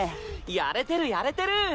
やれてるやれてる！